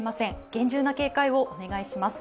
厳重な警戒をお願いします。